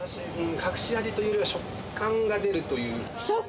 隠し味というか食感が出るという。